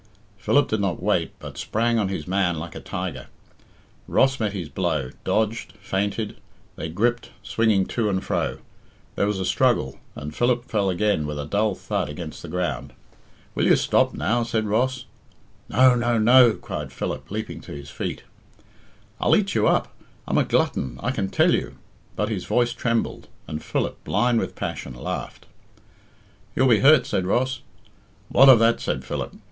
Philip did not wait, but sprang on his man like a tiger. Ross met his blow, dodged, feinted; they gripped, swinging to and fro; there was a struggle, and Philip fell again with a dull thud against the ground. "Will you stop now?" said Ross. "No, no, no," cried Philip, leaping to his feet. "I'll eat you up. I'm a glutton, I can tell you." But his voice trembled, and Philip, blind with passion, laughed. "You'll be hurt," said Ross. "What of that?" said Philip.